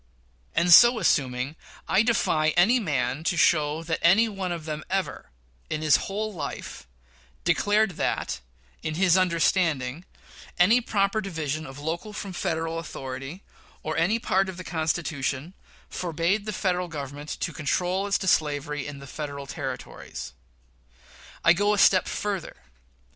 And, so assuming, I defy any man to show that any one of them ever, in his whole life, declared that, in his understanding, any proper division of local from Federal authority, or any part of the Constitution, forbade the Federal Government to control as to slavery in the Federal Territories. I go a step further.